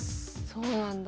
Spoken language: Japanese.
そうなんだ。